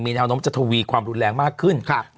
มีแนวน้ำเจตุวีความรุนแรงมากขึ้นครับ